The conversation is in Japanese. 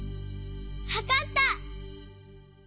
わかった！